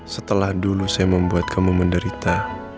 setelah dulu saya membuat kamu menderita